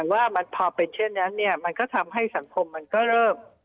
ว่ามันพอเป็นเช่นนั้นเนี่ยมันก็ทำให้สังคมมันก็เริ่ม